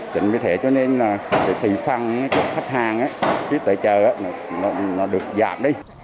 tình như thế cho nên thì phần cho khách hàng trước tại chợ nó được giảm đi